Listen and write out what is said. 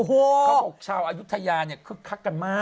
เขาบอกชาวอายุทยาเนี่ยคึกคักกันมาก